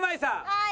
はい。